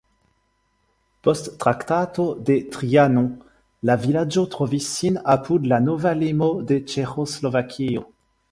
Post Traktato de Trianon la vilaĝo trovis sin apud la nova limo de Ĉeĥoslovakio.